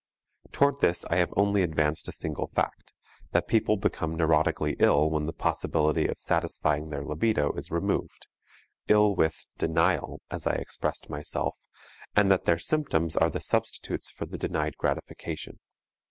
Towards this I have only advanced a single fact: that people become neurotically ill when the possibility of satisfying their libido is removed, ill with "denial," as I expressed myself, and that their symptoms are the substitutes for the denied gratification.